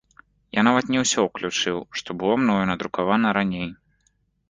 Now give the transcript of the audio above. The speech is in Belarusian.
Я нават не ўсё ўключыў, што было мною надрукавана раней.